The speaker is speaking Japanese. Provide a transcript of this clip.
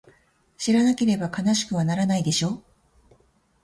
知らなければ悲しくはならないでしょ？